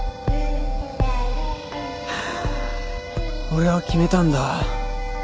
俺は決めたんだ。